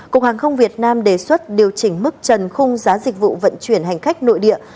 cục hàng không việt nam đề xuất điều chỉnh mức trần khung giá dịch vụ vận chuyển hành khách nội địa